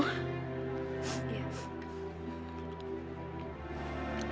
yang tambah ya bro